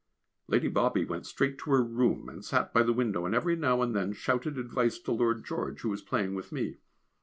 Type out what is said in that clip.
Lady Bobby went straight to her room and sat by the window, and every now and then shouted advice to Lord George who was playing with me.